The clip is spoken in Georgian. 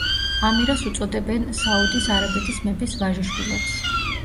ამირას უწოდებენ საუდის არაბეთის მეფის ვაჟიშვილებს.